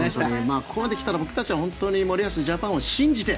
ここまで来たら僕たちは森保ジャパンを信じて。